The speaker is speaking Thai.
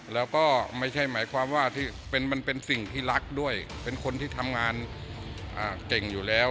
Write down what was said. แล้วก็ไม่ใช่หมายความว่ามันเป็นสิ่งที่รักด้วยเป็นคนที่ทำงานเก่งอยู่แล้ว